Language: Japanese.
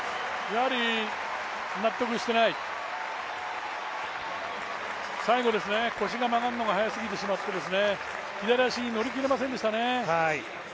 やはり納得していない、最後腰が曲がるのが早すぎてしまって左足に乗り切れませんでしたね。